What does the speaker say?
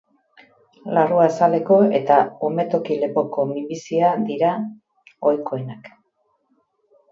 Larruazaleko eta umetoki-lepoko minbizia dira ohikoenak.